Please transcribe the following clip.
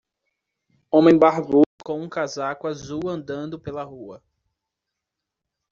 Homem barbudo com um casaco azul andando pela rua.